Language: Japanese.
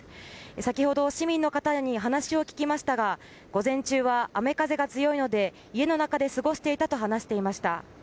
先ほど、市民の方に話を聞きましたが午前中は雨風が強いので家の中で過ごしていたと話していました。